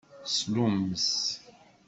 Slummes.